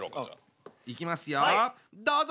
いきますよどうぞ！